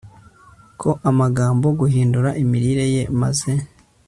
ko agomba guhindura imirire ye maze